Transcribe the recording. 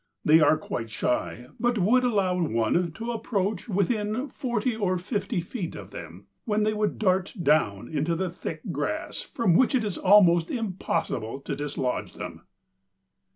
They are quite shy, but would allow one to approach within forty or fifty feet of them, when they would dart down into the thick grass, from which it was almost impossible to dislodge them."